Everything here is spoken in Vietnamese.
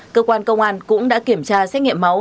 cơ quan công an cũng đã kiểm tra xét nghiệm máu